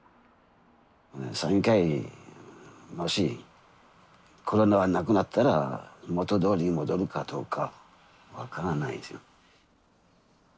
山友会もしコロナがなくなったら元どおりに戻るかどうか分からないですよ。